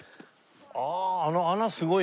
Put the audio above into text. あああの穴すごいね。